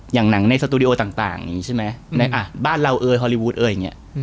อย่างหนังในสตูดิโอต่างบ้านเราเอ้ยฮอลลีวูดเอ้ย